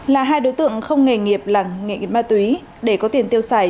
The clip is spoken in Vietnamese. là hai đối tượng không nghề nghiệp là nghệ nghiệp ma túy để có tiền tiêu xài